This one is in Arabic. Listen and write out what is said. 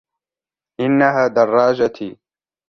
إنها دراجتي.